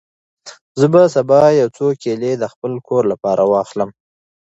زه به سبا یو څو کیلې د خپل کور لپاره واخلم.